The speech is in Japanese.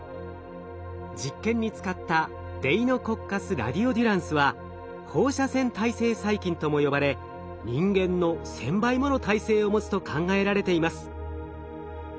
実験に使ったデイノコッカス・ラディオデュランスは放射線耐性細菌とも呼ばれ人間の１，０００倍もの耐性を持つと考えられています。